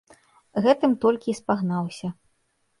Гэтым толькі і спагнаўся.